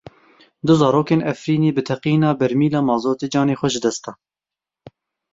Du zarokên Efrînê bi teqîna bermîla mazotê canê xwe ji dest dan.